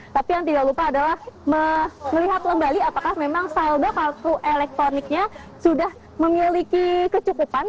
tapi yang tidak lupa adalah melihat kembali apakah memang saldo kartu elektroniknya sudah memiliki kecukupan